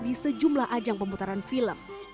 di sejumlah ajang pemutaran film